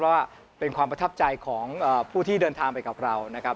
ว่าเป็นความประทับใจของผู้ที่เดินทางไปกับเรานะครับ